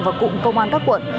và cụm công an các quận